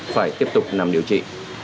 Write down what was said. phải tiếp tục nằm điều trị